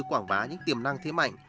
quảng bá những tiềm năng thế mạnh